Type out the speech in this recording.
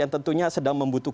yang tentunya sedang berusaha